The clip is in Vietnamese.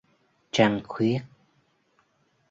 Trăng khuyết